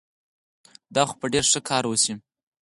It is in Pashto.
دا خو به ډېر ښه کار وشي.